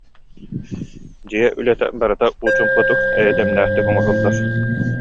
Дьиэ үлэтэ барыта уу чуумпутук, эйэ дэмнээхтик оҥоһуллар